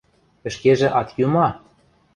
Ӹшкежӹ ат йӱ ма?..